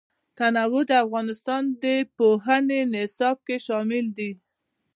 تنوع د افغانستان د پوهنې نصاب کې شامل دي.